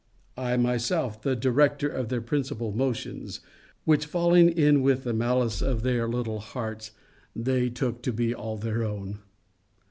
I myself, the director of their principal motions; which falling in with the malice of their little hearts, they took to be all their own.